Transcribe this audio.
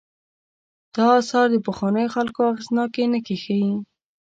دا آثار د پخوانیو خلکو اغېزناکې نښې دي.